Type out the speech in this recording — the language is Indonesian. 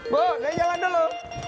bo saya jalan dulu